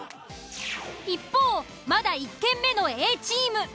一方まだ１軒目のＡチーム。